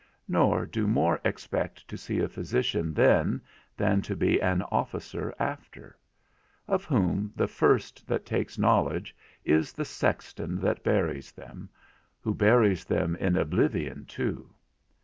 Nor do more expect to see a physician then, than to be an officer after; of whom, the first that takes knowledge, is the sexton that buries them, who buries them in oblivion too!